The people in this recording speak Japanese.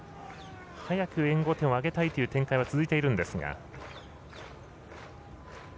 早く援護点をあげたいという展開が続いているんですが。